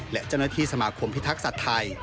และเจ้าหน้าที่สมาคมพิทักษัตริย์ไทย